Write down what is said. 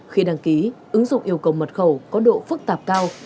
khi đăng ký ứng dụng yêu cầu mật khẩu có độ phức tạp cao